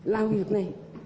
là việc này